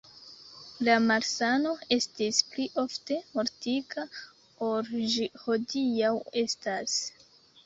La malsano estis pli ofte mortiga ol ĝi hodiaŭ estas.